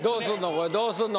これどうすんの？